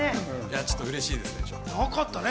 ちょっと嬉しいですね。